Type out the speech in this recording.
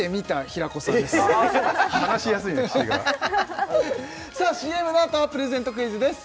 岸がさあＣＭのあとはプレゼントクイズです